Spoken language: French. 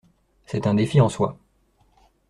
C'est un défi en soi.